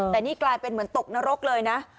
แต่นี่กลายเป็นเหมือนตกนรกเลยนะ